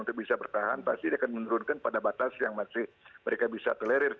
untuk bisa bertahan pasti dia akan menurunkan pada batas yang masih mereka bisa tolerir